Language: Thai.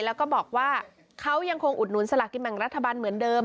แล้วก็บอกว่าเขายังคงอุดหนุนสลากินแบ่งรัฐบาลเหมือนเดิม